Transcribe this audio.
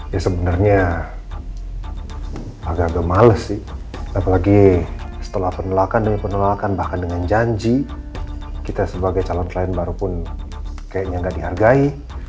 ya sebenarnya agak agak males sih apalagi setelah penolakan demi penolakan bahkan dengan janji kita sebagai calon klien baru pun kayaknya nggak dihargai